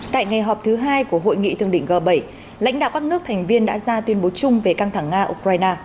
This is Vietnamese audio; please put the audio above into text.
tại ngày họp thứ hai của hội nghị thường đỉnh g bảy lãnh đạo các nước thành viên đã ra tuyên bố chung về căng thẳng nga ukraine